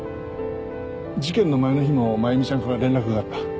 事件の前の日も真弓ちゃんから連絡があった。